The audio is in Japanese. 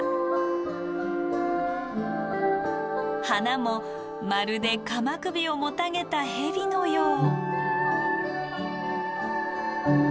花もまるで鎌首をもたげたヘビのよう。